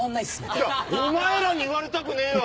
いやお前らに言われたくねえわ！